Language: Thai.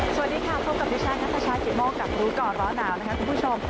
สวัสดีค่ะพบกับดิฉันนัทชายกิตโมกกับรู้ก่อนร้อนหนาวนะคะคุณผู้ชม